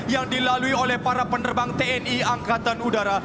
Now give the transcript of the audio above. yang dilalui oleh para penerbang tni angkatan udara